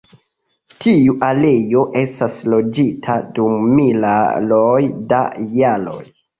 Tiu areo estas loĝita dum miloj da jaroj.